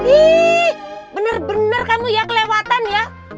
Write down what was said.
ih bener bener kamu ya kelewatan ya